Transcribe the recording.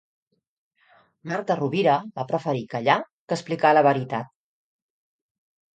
Marta Rovira va preferir callar que explicar la veritat.